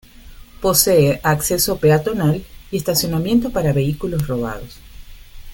Posee acceso peatonal y estacionamiento para vehículos rodados.